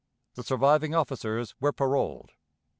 The surviving officers were paroled.